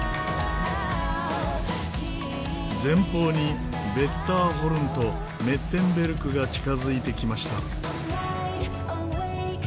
前方にヴェッターホルンとメッテンベルクが近づいてきました。